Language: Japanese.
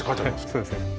そうですね。